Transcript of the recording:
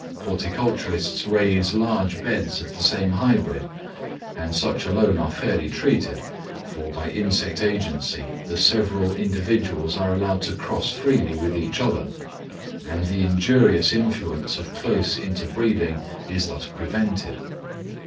Horticulturists raise large beds of the same hybrid, and such alone are fairly treated, for by insect agency the several individuals are allowed to cross freely with each other, and the injurious influence of close interbreeding is thus prevented.